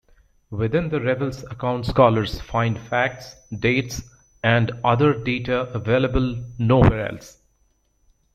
Within the revels accounts scholars find facts, dates, and other data available nowhere else.